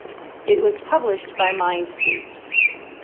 It was published by Mindscape.